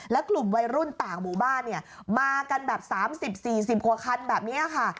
และกลุ่มวัยรุ่นต่างหมู่บ้านมากันแบบ๓๐๔๐กว่าคันแบบนี้ค่ะ